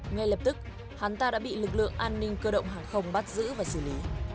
ngay lập tức hắn ta đã bị lực lượng an ninh cơ động hàng không bắt giữ và xử lý